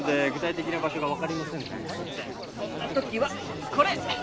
そんな時はこれ！